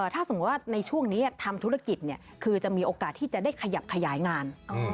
ถ้าสมมุติว่าในช่วงนี้ทำธุรกิจคือจะมีโอกาสที่จะได้ขยับขยายงาน